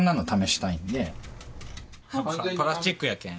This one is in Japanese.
プラスチックやけん。